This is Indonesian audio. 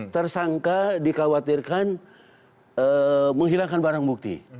tersangka dikhawatirkan menghilangkan barang bukti